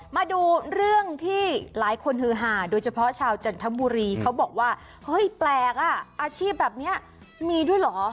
มาดูเรื่องที่หลายคนฮือหาโดยเฉพาะชาวจันทบุรีเขาบอกว่าเฮ้ยแปลกอ่ะอาชีพแบบนี้มีด้วยเหรอ